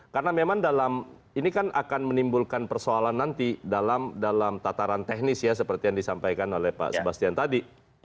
karena memang dalam ini kan akan menimbulkan persoalan nanti dalam tataran teknis ya seperti yang disampaikan oleh pak sebastian tadi